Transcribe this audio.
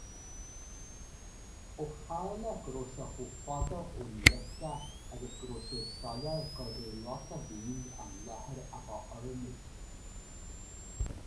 Ó tharla go raibh sé chomh fada ón iascach agus go raibh sé soiléir gurbh é Ros an Mhíl an láthair ab oiriúnaí.